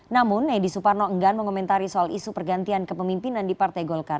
namun edi suparno enggan mengomentari soal isu pergantian kepemimpinan di partai golkar